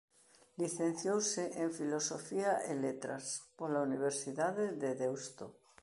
Licenciouse en Filosofía e Letras pola Universidade de Deusto.